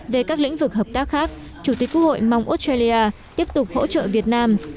về các lĩnh vực hợp tác khác chủ tịch quốc hội mong australia tiếp tục hỗ trợ việt nam